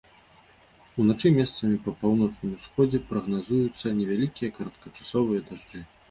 Уначы месцамі па паўночным усходзе прагназуюцца невялікія кароткачасовыя дажджы.